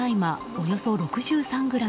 およそ６３ｇ